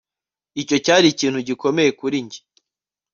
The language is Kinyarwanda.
Icyo cyari ikintu gikomeye kuri njye